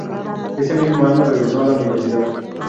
Ese mismo año regresó a la universidad.